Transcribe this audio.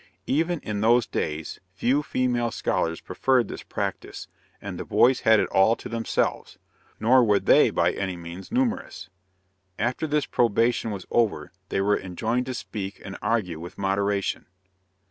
Even in those days, few female scholars preferred this practice, and the boys had it all to themselves, nor were they by any means numerous. After this probation was over, they were enjoined to speak and argue with moderation.